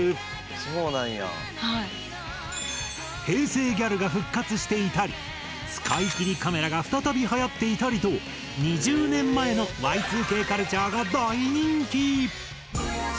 平成ギャルが復活していたり使い切りカメラが再びはやっていたりと２０年前のＹ２Ｋカルチャーが大人気！